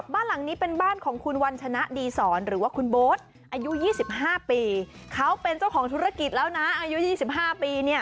บ้านหลังนี้เป็นบ้านของคุณวัญชนะดีศรหรือว่าคุณโบ๊ทอายุ๒๕ปีเขาเป็นเจ้าของธุรกิจแล้วนะอายุ๒๕ปีเนี่ย